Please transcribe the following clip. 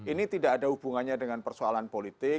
ini tidak ada hubungannya dengan persoalan politik